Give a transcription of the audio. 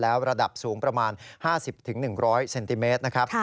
แล้วระดับสูงประมาณ๕๐๑๐๐เซนติเมตรนะครับ